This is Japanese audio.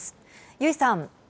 油井さん。